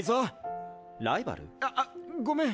ぁあっごめん！